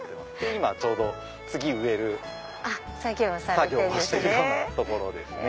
今ちょうど次植える作業をしてるようなところですね。